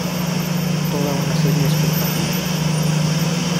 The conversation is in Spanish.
Toda una serie espectacular.